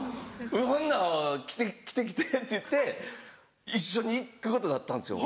ほんなら来て来てって言って一緒に行くことになったんですよ。